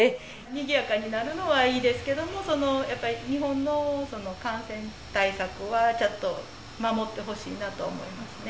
にぎやかになるのはいいですけども、やっぱり日本の感染対策はちょっと守ってほしいなと思いますね。